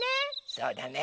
そうだね。